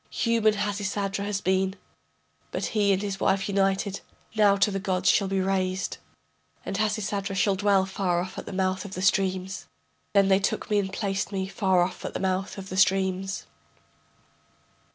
Human Hasisadra has been, But he and his wife united Now to the gods shall be raised, And Hasisadra shall dwell far off at the mouth of the streams. Then they took me and placed me Far off at the mouth of the streams.